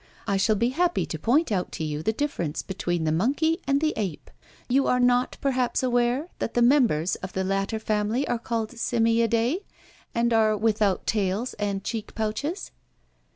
I shall be happy to point out to you the difference between the monkey and the ape. You are not perhaps aware that the members of the latter family are called 'Simiadae,' and are without tails and cheek pouches?"